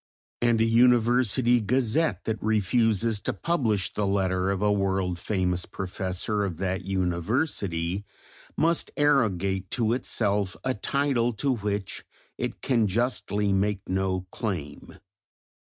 And a University Gazette that refuses to publish the letter of a world famous professor of that University, must arrogate to itself a title to which it can justly make no claim.